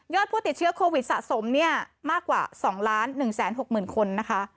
ยอดผู้ติดเชื้อโควิดสะสมเนี่ยมากกว่าสองล้านหนึ่งแสนหกหมื่นคนนะคะ